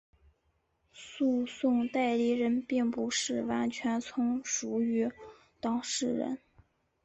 诉讼代理人并不是完全从属于当事人。